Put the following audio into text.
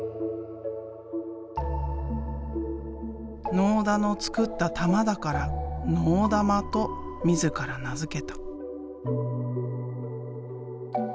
納田の作った玉だから「のうだま」と自ら名付けた。